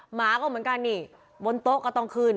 หมาก็เหมือนกันนี่บนโต๊ะก็ต้องขึ้น